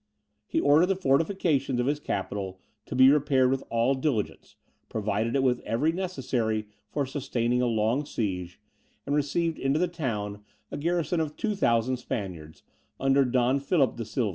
He ordered the fortifications of his capital to be repaired with all diligence, provided it with every necessary for sustaining a long siege, and received into the town a garrison of 2,000 Spaniards, under Don Philip de Sylva.